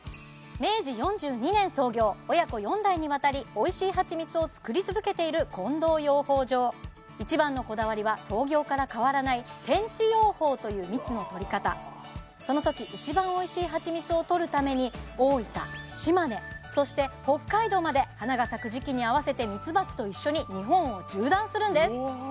明治４２年創業親子４代にわたりおいしいはちみつを作り続けている近藤養蜂場一番のこだわりは創業から変わらないという蜜の採り方その時一番おいしいはちみつを採るために大分島根そして北海道まで花が咲く時期に合わせてミツバチと一緒に日本を縦断するんですうわ